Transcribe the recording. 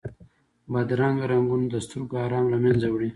بدرنګه رنګونه د سترګو آرام له منځه وړي